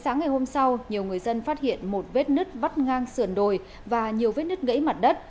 nhiều người dân phát hiện một vết nứt vắt ngang sườn đồi và nhiều vết nứt gãy mặt đất